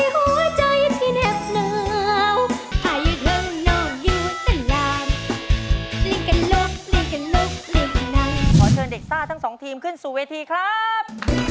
ขอเชิญเด็กซ่าทั้งสองทีมขึ้นสู่เวทีครับ